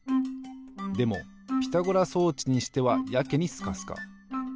でもピタゴラ装置にしてはやけにスカスカ。